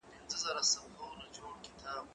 هغه وويل چي کار مهم دي!.